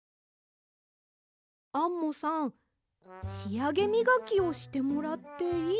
アンモさんしあげみがきをしてもらっていいですか？